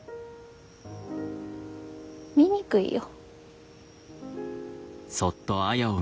醜いよ。